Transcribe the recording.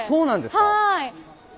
はい！